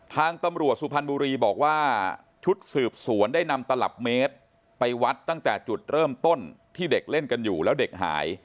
ทางตำรวจสุพรรณบุรีบอกว่าชุดสืบสวนได้นำตลับเมตรไปวัดตั้งแต่จุดเริ่มต้นที่เด็กเล่นกันอยู่แล้วเด็กหาย